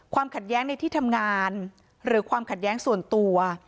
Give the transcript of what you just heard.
ขัดแย้งในที่ทำงานหรือความขัดแย้งส่วนตัว